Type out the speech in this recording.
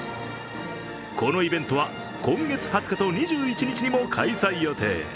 このイベントは、今月２０日と２１日にも開催予定。